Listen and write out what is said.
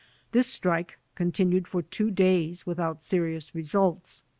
This strike continued for two days without serious results.